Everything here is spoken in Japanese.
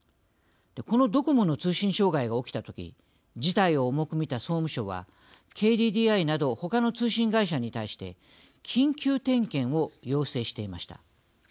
このドコモの通信障害が起きたとき事態を重くみた総務省はＫＤＤＩなどほかの通信会社に対して緊急点検を要請していました。